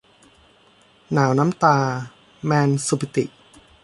หนาวน้ำตา - แมน สุปิติ